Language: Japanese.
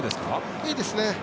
いいですね。